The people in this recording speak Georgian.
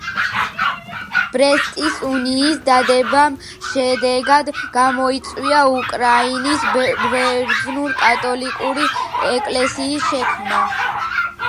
ბრესტის უნიის დადებამ შედეგად გამოიწვია უკრაინის ბერძნულ-კათოლიკური ეკლესიის შექმნა.